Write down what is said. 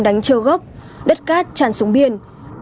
đánh trêu góc đất cát tràn xuống biển